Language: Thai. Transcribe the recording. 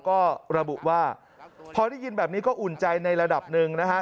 ก็ระบุว่าพอได้ยินแบบนี้ก็อุ่นใจในระดับหนึ่งนะฮะ